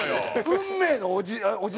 運命のおじ